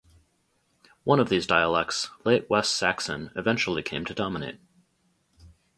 One of these dialects, Late West Saxon, eventually came to dominate.